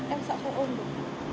em sợ phải ôm được